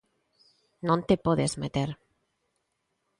Non te podes meter.